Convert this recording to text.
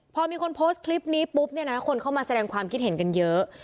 พอมีคนโพสต์คลิปนี้ปุ๊บเนี่ยนะคนเข้ามาแสดงความคิดเห็นกันเยอะ